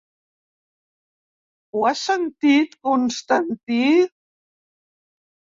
Ho has sentit, Constantí?